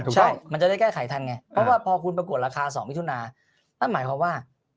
ใช่มันจะได้แก้ไขทันไงเพราะว่าพอคุณประกวดราคา๒วิทยุนาสมัยเพราะว่า